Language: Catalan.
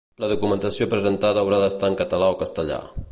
La documentació presentada haurà d'estar en català o castellà.